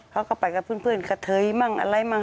เขาก็ไปกับเพื่อนกระเทยมั่งอะไรมั่ง